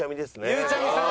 ゆうちゃみさん。